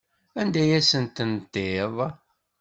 Anda ay asent-tendiḍ?